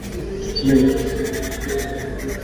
যে কিনা নিরব ব্যর্থ প্রেমের প্রতীক!